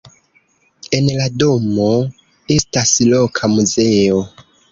En la domo estas loka muzeo.